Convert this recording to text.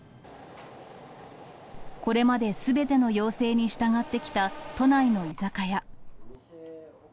これまですべての要請に従ってきた、都内の居酒屋。